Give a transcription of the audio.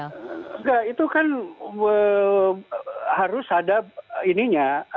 enggak itu kan harus ada ininya